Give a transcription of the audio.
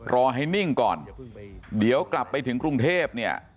รอให้นิ่งก่อนเดี๋ยวกลับไปถึงกรุงเทพเนี่ย